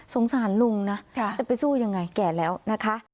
สารลุงนะจะไปสู้ยังไงแก่แล้วนะคะ